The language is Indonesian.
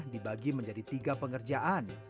dibagi menjadi tiga pengerjaan